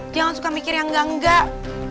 jangan suka mikir yang enggak enggak